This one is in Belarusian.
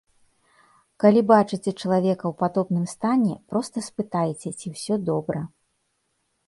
Калі бачыце чалавека ў падобным стане, проста спытайце, ці ўсё добра.